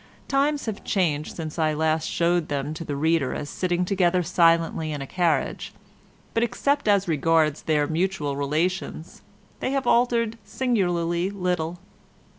Times have changed since I last showed them to the reader as sitting together silently in a carriage, but except as regards their mutual relations, they have altered singularly little.